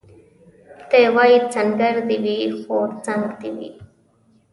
دی وايي سنګر دي وي خو څنګ دي وي